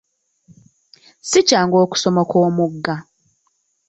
Si kyangu okusomoka omugga.